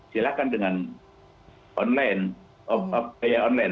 silakan dengan online